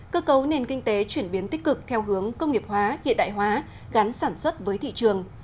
cơ cấu nền kinh tế chuyển biến tích cực theo hướng công nghiệp hóa hiện đại hóa gắn sản xuất với thị trường